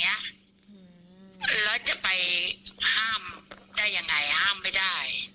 คือแล้วจะไปห้ามได้ยังไงห้ามไม่ได้